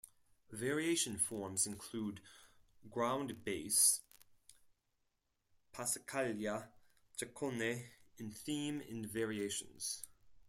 Variation forms include ground bass, passacaglia, chaconne, and theme and variations.